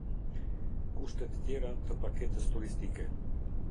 Kushtet tjera të paketës turistike.